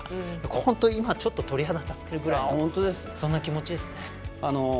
本当に今、ちょっと鳥肌立ってるくらいなそんな気持ちですね。